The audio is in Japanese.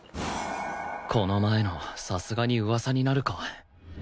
この前のさすがに噂になるか